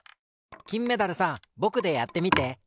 きんメダルさんぼくでやってみて。